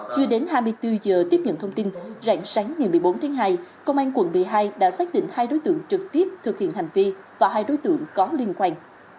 chưa đến hai mươi bốn giờ tiếp nhận thông tin rạng sáng ngày một mươi bốn tháng hai công an quận một mươi hai đã xác định hai đối tượng trực tiếp thực hiện hành vi và hai đối tượng có liên quan